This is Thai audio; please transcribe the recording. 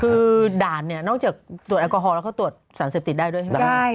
คือด่านเนี่ยนอกจากตรวจแอลกอฮอลแล้วเขาตรวจสารเสพติดได้ด้วยใช่ไหม